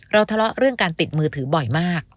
ทะเลาะเรื่องการติดมือถือบ่อยมาก